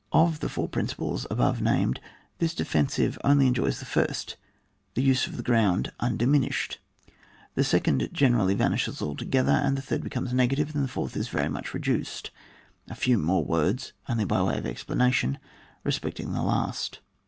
Of the four principles above named, this defen sive only enjoys the first — the use of the ground — undiminished, the second gene rally vanishes altogether, the third be comes negative, and the fourth is very much reduced. A few more words, only by way of explanation, respecting the last.